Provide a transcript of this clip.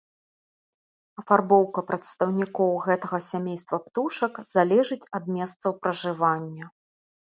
Афарбоўка прадстаўнікоў гэтага сямейства птушак залежыць ад месцаў пражывання.